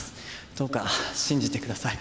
どうか信じてください。